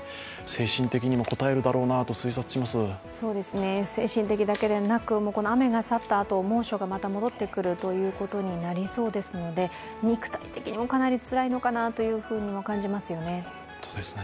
精神的にもこたえるだろうなと精神的だけではなく、雨が去ったあと猛暑がまた戻ってくるということになりそうですので肉体的にもかなりつらいのかなと感じますよね。